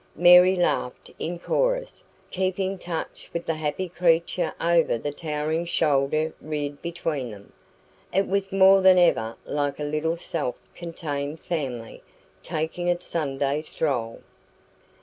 Mary laughed in chorus, keeping touch with the happy creature over the towering shoulder reared between them. It was more than ever like a little self contained family, taking its Sunday stroll.